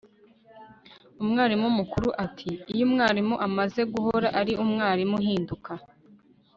umwarimu mukuru ati 'iyo umwarimu amaze guhora ari umwarimu,' ahindura